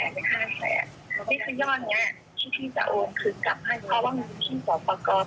นี่คือยอดนี้ที่พี่จะโอนคือกลับให้เพราะว่าเงินที่หัวประกอบ